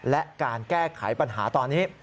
และการแก้ไขปัญหาตอนนี้